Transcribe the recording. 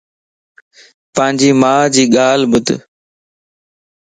پانجي مان جي ڳالھه ٻڌ